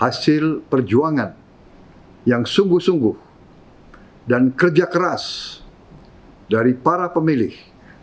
hasil perjuangan yang sungguh sungguh dan kerja keras dari para pemilih